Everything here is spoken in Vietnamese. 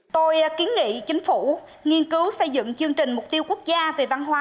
tôi kiến nghị chính phủ nghiên cứu xây dựng chương trình mục tiêu quốc gia về văn hóa